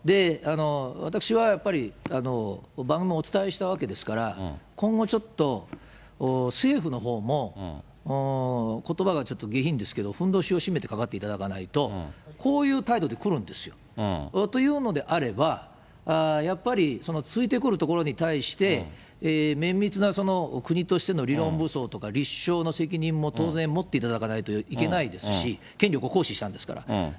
私はやっぱり、番組でお伝えしたわけですから、今後ちょっと政府のほうも、ことばがちょっと下品ですけれども、ふんどしをしめてかかっていただかないと、こういう態度で来るんですよ。というのであれば、やっぱり、ついてくるところに対して、綿密な国としての理論武装とか、立証の責任も当然、持っていただかないといけないですし、権力を行使したんですから。